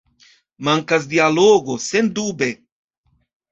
Mankas dialogo, sendube!